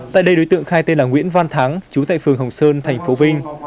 tại đây đối tượng khai tên là nguyễn văn thắng chú tại phường hồng sơn thành phố vinh